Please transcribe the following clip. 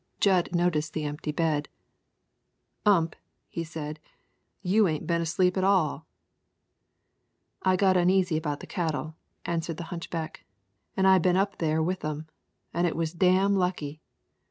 Jud noticed the empty bed. "Ump," he said, "you ain't been asleep at all." "I got uneasy about the cattle," answered the hunchback, "an I've been up there with 'em, an' it was dam' lucky.